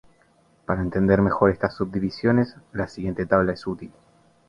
Para entender mejor estas subdivisiones, la siguiente tabla es útil.